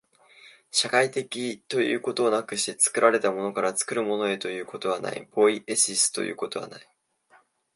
社会的ということなくして、作られたものから作るものへということはない、ポイエシスということはない。